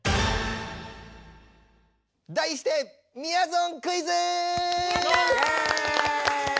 題してみやぞんクイズ！